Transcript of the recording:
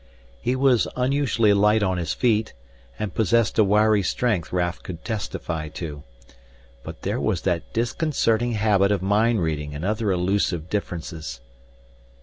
He was unusually light on his feet and possessed a wiry strength Raf could testify to. But there was that disconcerting habit of mind reading and other elusive differences.